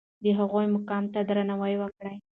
د هغوی مقام ته درناوی وکړئ.